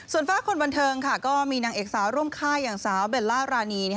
ส่วนฝากคนบันเทิงก็มีนางเอกสาวร่วมค่ายอย่างสาวเบลล่ารานี